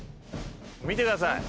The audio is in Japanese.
見てください。